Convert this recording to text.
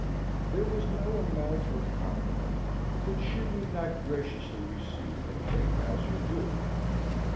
There was no amount of compliment which she would not graciously receive and take as her due.